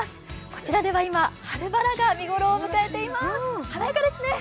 こちらでは今、春バラが見頃を迎えています。